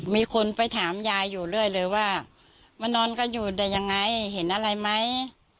มีคนไปถามยายอยู่เรื่อยเลยว่ามานอนกันอยู่แต่ยังไงเห็นอะไรไหม